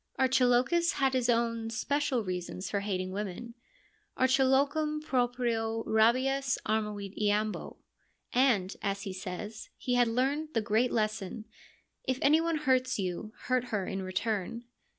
Archilochus has his own special reasons for hating women —' Archilochum proprio rabies armavit iam bo '— and, as he says, he had learned the great lesson, ' If anyone hurts you, hurt her in return.'